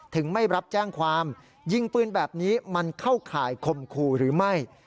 ไม่รับแจ้งความยิงปืนแบบนี้มันเข้าข่ายข่มขู่หรือไม่